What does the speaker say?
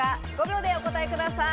５秒でお答えください。